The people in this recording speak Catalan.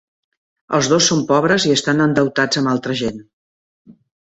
El dos són pobres i estan endeutats amb altra gent.